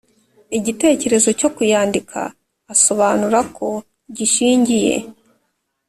Igitekerezo cyo kuyandika asobanura ko gishingiye